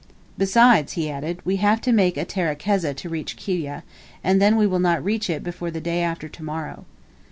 Besides," he added, "we have to make a terekeza to reach Kiwyeh, and then we will not reach it before the day after to morrow."